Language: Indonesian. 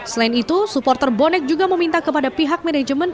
selain itu supporter bonek juga meminta kepada pihak manajemen